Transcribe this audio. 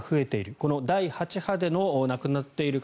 この第８波での亡くなっている方